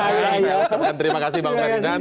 saya ucapkan terima kasih bang ferdinand